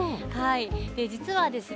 実はですね